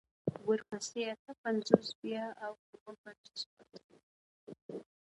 ورپسې اته پنځوس بيا اوه پنځوس پاتې وي.